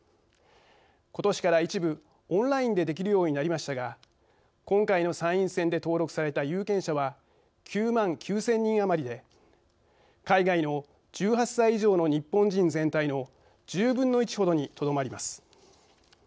ことしから一部オンラインでできるようになりましたが今回の参院選で登録された有権者は９万９０００人余りで海外の１８歳以上の日本人全体の１０分の１ほどにとどまります。